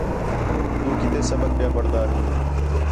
تُو کَِتّے سبق پیا پڑھدا ہیں